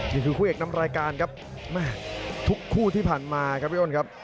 นี่คือคู่เอกนำรายการครับแม่ทุกคู่ที่ผ่านมาครับพี่อ้นครับ